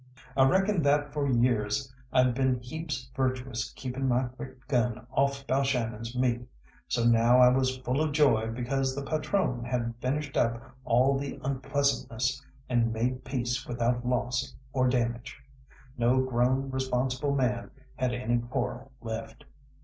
I reckon that for years I'd been heaps virtuous keeping my quick gun off Balshannon's meat, so now I was full of joy because the patrone had finished up all the unpleasantness and made peace without loss or damage. No grown responsible man had any quarrel left.